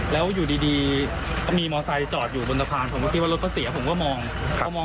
แล้วอยู่ดีมีมอเซ้าจอดอยู่บนสะพาน